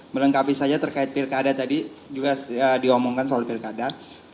melengkapi saja terkait pilkada tadi juga diomongkan soal pilkada